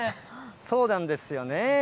そうなんですよね。